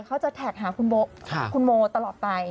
เขาจะแท็กหาคุณโมตลอดไป